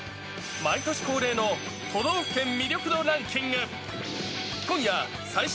毎年恒例の都道府県魅力度ランキング。